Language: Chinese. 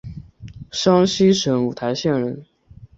山西省五台县人。